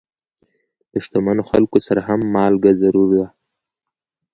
د شتمنو خلکو سره هم مالګه ضرور وه.